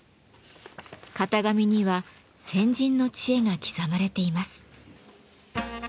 型紙には先人の知恵が刻まれています。